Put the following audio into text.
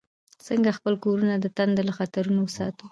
څنګه خپل کورونه د تندر له خطرونو وساتو؟